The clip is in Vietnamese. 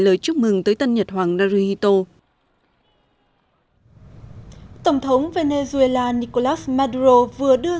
lời chúc mừng tới tân nhật hoàng naruhito tổng thống venezuela nicolas maduro vừa đưa